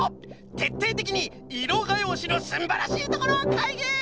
てっていてきにいろがようしのすんばらしいところかいぎ！